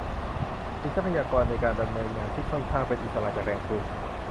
มีทรัพยากรในการดำเนินงานที่ค่อนข้างเป็นอิสระจากแหล่งทุน